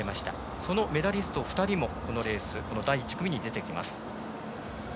そのメダリスト２人もこのレース、第１組に出ます。